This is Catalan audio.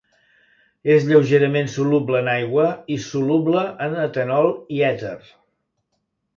És lleugerament soluble en aigua i soluble en etanol i èter.